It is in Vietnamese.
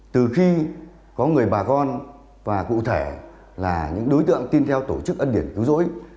từ khi có người bà con và cụ thể là những đối tượng tin theo tổ chức ân điển cứu rỗi